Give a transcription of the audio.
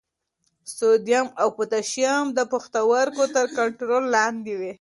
سوډیم او پوټاشیم د پښتورګو تر کنټرول لاندې وي.